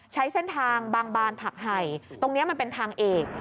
ใช้เส้นทางบางบานผักไห่ตรงนี้มันเป็นทางเอก